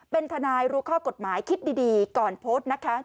เป็นทนายรู้ข้อกฎหมายคิดดีก่อนโพสต์นะคะ